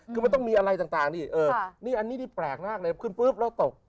คือมันต้องมีอะไรต่างนี่อันนี้ที่แปลกมากเลยขึ้นปุ๊บแล้วตก